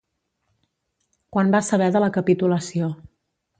Quan va saber de la capitulació.